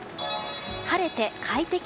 晴れて快適。